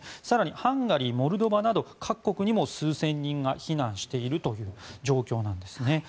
更にハンガリー、モルドバなど各国に数千人が避難しているという状況なんですね。